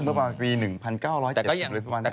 เมื่อบางปี๑๙๐๗กดูเลยประมาณแหละ